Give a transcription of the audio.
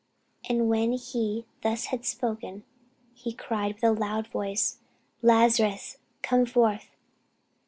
And when he thus had spoken, he cried with a loud voice, Lazarus, come forth.